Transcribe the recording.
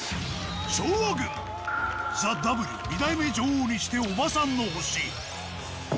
昭和軍、ＴＨＥＷ２代目女王にしておばさんの星。